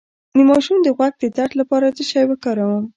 د ماشوم د غوږ د درد لپاره څه شی وکاروم؟